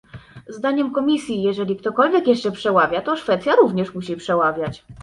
Zdaniem Komisji, jeżeli ktokolwiek jeszcze przeławia, to Szwecja również musi przeławiać